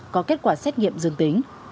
có kết quả xét nghiệm dương tính